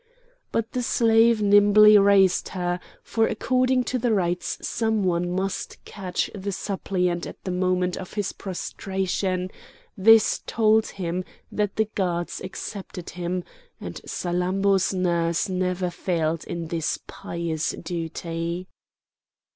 But the slave nimbly raised her, for according to the rites someone must catch the suppliant at the moment of his prostration; this told him that the gods accepted him, and Salammbô's nurse never failed in this pious duty.